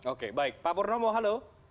oke baik pak pur nomo halo